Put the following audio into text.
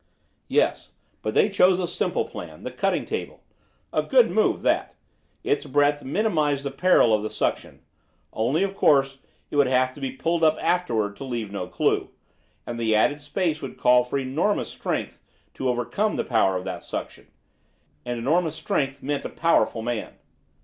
"Yes. But they chose a simple plan, the cutting table. A good move that. Its breadth minimised the peril of the suction; only, of course, it would have to be pulled up afterward, to leave no clue, and the added space would call for enormous strength to overcome the power of that suction; and enormous strength meant a powerful man.